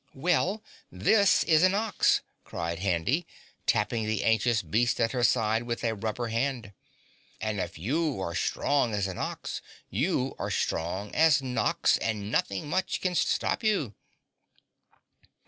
"Well, this is an ox," cried Handy, tapping the anxious beast at her side with a rubber hand. "And if you are strong as an ox you are strong as Nox and nothing much can stop you."